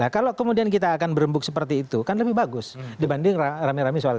nah kalau kemudian kita akan berembuk seperti itu kan lebih bagus dibanding rame rame soal